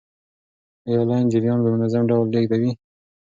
آیا لین جریان په منظم ډول لیږدوي؟